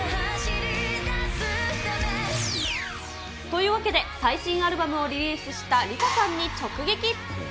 というわけで、最新アルバムをリリースしたＬｉＳＡさんに直撃。